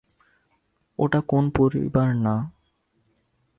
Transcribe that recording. ওটা কোন পরিবার না।